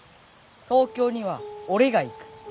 東京には俺が行く。